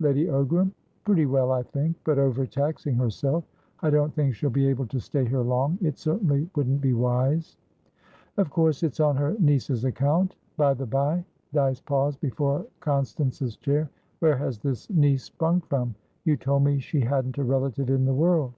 "Lady Ogram? Pretty well, I think, but overtaxing herself. I don't think she'll be able to stay here long. It certainly wouldn't be wise." "Of course it's on her niece's account. By the bye" Dyce paused before Constance's chair"where has this niece sprung from? You told me she hadn't a relative in the world."